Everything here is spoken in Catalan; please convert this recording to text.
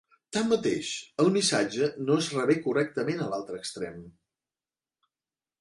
Tanmateix, el missatge no es rebé correctament a l'altre extrem.